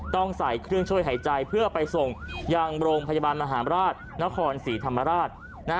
ต้องใส่เครื่องช่วยหายใจเพื่อไปส่งยังโรงพยาบาลมหาราชนครศรีธรรมราช